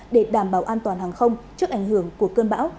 để đảm bảo an toàn hàng không trước ảnh hưởng của cơn bão